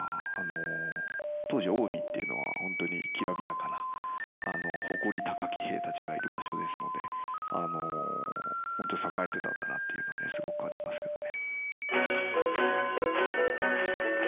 当時近江っていうのは本当にきらびやかな誇り高き兵たちがいる場所ですので本当に栄えてたんだなっていうのをねすごく感じますけどね。